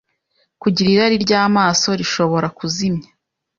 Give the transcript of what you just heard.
Kugira irari ryamaso rishobora kuzimya